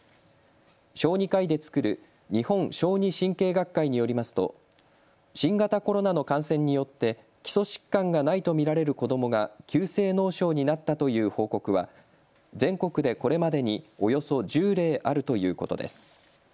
小児科医で作る日本小児神経学会によりますと新型コロナの感染によって基礎疾患がないと見られる子どもが急性脳症になったという報告は全国でこれまでにおよそ１０例あるということです。